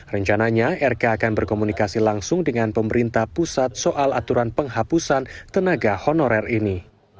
rencananya rk akan berkomunikasi langsung dengan pemerintah pusat soal aturan penghapusan tenaga honorer ini